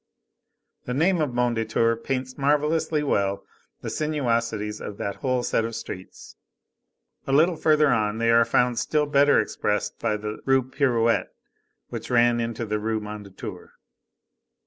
The name of Mondétour paints marvellously well the sinuosities of that whole set of streets. A little further on, they are found still better expressed by the Rue Pirouette, which ran into the Rue Mondétour.